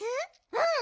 うん！